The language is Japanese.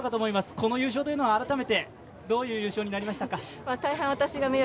この優勝は改めてどういう優勝になりましたか？